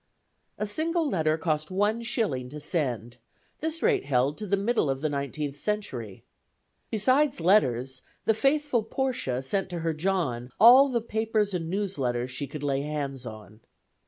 A single letter cost one shilling to send; this rate held to the middle of the nineteenth century. Beside letters, the faithful Portia sent to her John all the papers and news letters she could lay hands on.